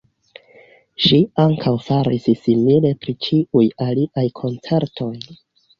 Ŝi ankaŭ faris simile pri ĉiuj aliaj koncertoj.